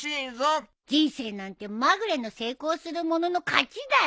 人生なんてまぐれの成功する者の勝ちだよ。